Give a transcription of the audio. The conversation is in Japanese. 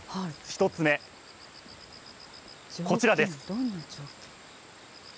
１つ目、こちらです。